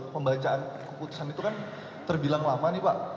pembacaan keputusan itu kan terbilang lama nih pak